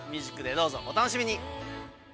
どうぞお楽しみに！